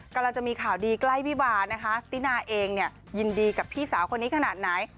กำลังจะมีข่าวดีใกล้วิบาลนะคะตินาเองเนี่ยยินดีกับพี่สาวคนนี้ขนาดไหน